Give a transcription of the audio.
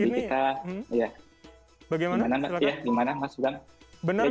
jadi kita ya bagaimana silahkan